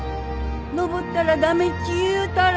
登ったら駄目っち言うたろ！